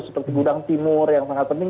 seperti gudang timur yang sangat penting